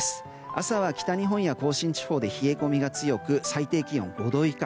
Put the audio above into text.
朝は北日本や甲信地方で冷え込みが強く最低気温５度以下。